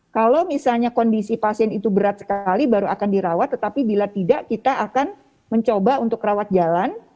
kalau misalnya kondisi pasien itu berat sekali baru akan dirawat tetapi bila tidak kita akan mencoba untuk rawat jalan